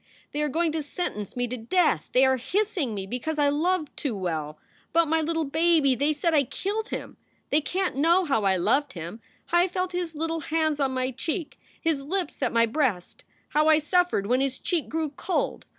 They are going to sentence me to death! They are hissing me because I loved too well! But my little baby! They said I killed him! They can t know how I loved him! how I felt his little hands on my cheek, his lips at my breast! how I suffered when his cheek grew cold!